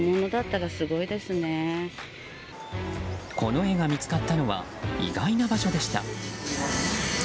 この絵が見つかったのは意外な場所でした。